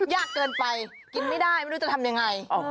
ยากเกินไปกินไม่ได้ไม่รู้จะทำยังไง